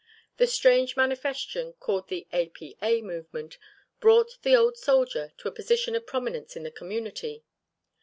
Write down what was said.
That strange manifestation called the A. P. A. movement brought the old soldier to a position of prominence in the community.